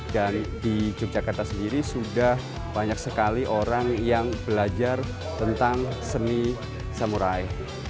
dan di yogyakarta sendiri sudah banyak sekali orang yang belajar tentang seni samurai